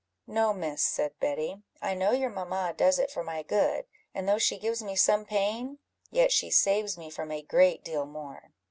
"No, Miss," said Betty, "I know your mamma does it for my good; and though she gives me some pain, yet she saves me from a great deal more."